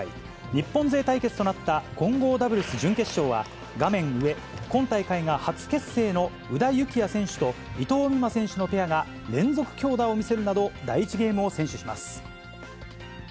日本勢対決となった混合ダブルス準決勝は、画面上、今大会が初結成の宇田幸矢選手と伊藤美誠選手のペアが連続強打を見せるなど、第１ゲームを先取します。